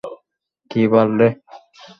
কি বাল রে?